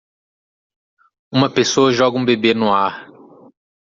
Uma pessoa joga um bebê no ar.